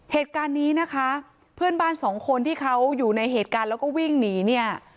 เหตุการณ์นี้นะคะเพื่อนบ้านสองคนที่เขาอยู่ในเหตุการณ์แล้วก็วิ่งหนีเนี่ย